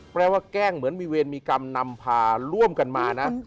แกล้งเหมือนมีเวรมีกรรมนำพาร่วมกันมานะ